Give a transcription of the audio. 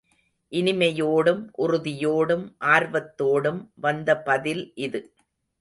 இனிமையோடும், உறுதியோடும், ஆர்வத்தோடும் வந்த பதில் இது.